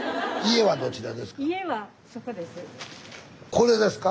これですか？